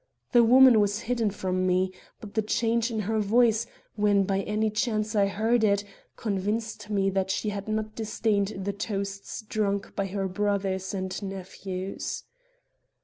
The woman was hidden from me, but the change in her voice, when by any chance I heard it, convinced me that she had not disdained the toasts drunk by her brothers and nephews.